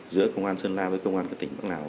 giữa công an sơn la với công an của tỉnh bắc lào